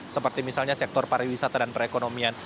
seperti misalnya sektor pariwisata dan perekonomian